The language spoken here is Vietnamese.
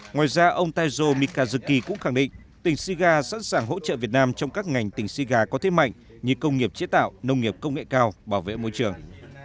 ngoài ra ông tajo mikazuki cũng khẳng định tỉnh siga sẵn sàng hỗ trợ việt nam trong các ngành tỉnh siga có thế mạnh như công nghiệp chế tạo nông nghiệp công nghệ cao bảo vệ môi trường